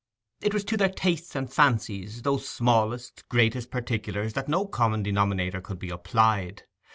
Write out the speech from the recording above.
It was to their tastes and fancies, those smallest, greatest particulars, that no common denominator could be applied.